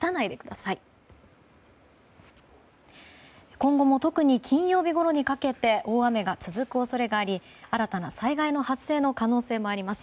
今後も特に金曜日ごろにかけて大雨が続く恐れがあり新たな災害の発生の可能性もあります。